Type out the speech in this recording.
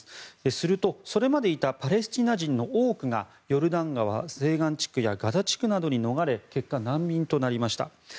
すると、それまでいたパレスチナ人の多くがヨルダン川西岸地区やガザ地区などに逃れ結果、難民となりました。